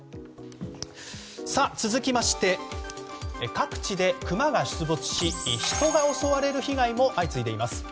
続きまして、各地でクマが出没し人が襲われる被害も相次いでいます。